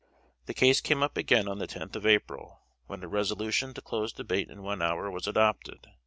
The case came up again on the tenth of April, when a resolution to close debate in one hour was adopted.